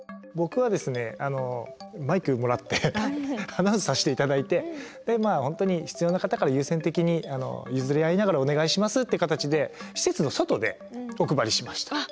僕はマイクもらってアナウンスさせて頂いて本当に必要な方から優先的に譲り合いながらお願いしますって形で施設の外でお配りしました。